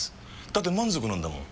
だって満足なんだもん。